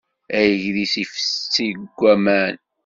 Agris ifessi deg waman.